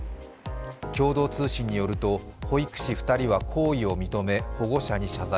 共同通信によると、保育士２人は行為を認め、保護者に謝罪。